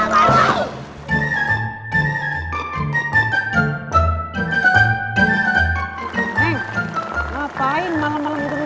masih nggak mau saya juga